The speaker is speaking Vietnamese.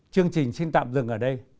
chương trình xin tạm dừng ở đây